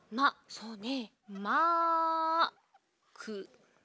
そうね。